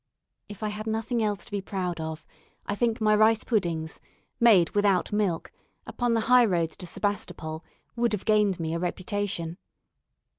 If I had nothing else to be proud of, I think my rice puddings, made without milk, upon the high road to Sebastopol, would have gained me a reputation.